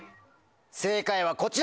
正解はこちら！